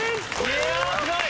いやすごい！